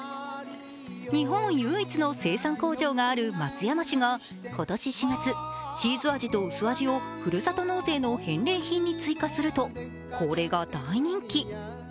日本唯一の生産工場がある松山市が今年４月、チーズあじとうすあじをふるさと納税の返礼品に追加するとこれが大人気。